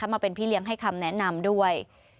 มาเป็นพี่เลี้ยงให้คำแนะนำด้วย